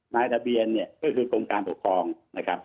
นายทะเบียนเนี่ยก็คือกรมการปกครองนะครับ